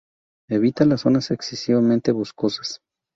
Evita las zonas excesivamente boscosas.